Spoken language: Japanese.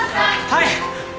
はい。